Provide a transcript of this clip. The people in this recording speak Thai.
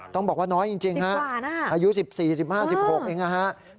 ต้องบอกว่าน้อยจริงฮะอายุ๑๔๑๕๑๖เองนะฮะต้องบอกว่าน้อยจริง